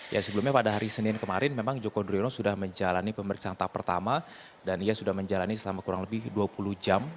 ya sebelumnya pada hari senin kemarin memang joko driono sudah menjalani pemeriksaan tahap pertama dan ia sudah menjalani selama kurang lebih dua puluh jam